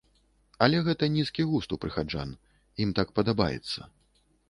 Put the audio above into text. Але гэта нізкі густ у прыхаджан, ім так падабаецца.